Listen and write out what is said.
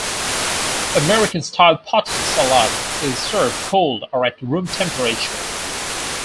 American-style potato salad is served cold or at room temperature.